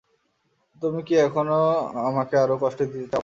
তুমি কি এখনও আমাকে আরো কষ্ট দিতে চাও?